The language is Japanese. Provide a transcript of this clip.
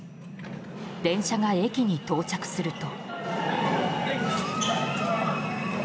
電車が駅に到着すると。